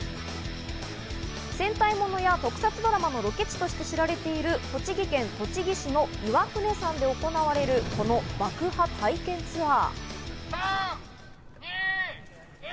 戦隊ものや特撮ドラマのロケ地として知られている栃木県栃木市の岩船山で行われる、この爆破体験ツアー。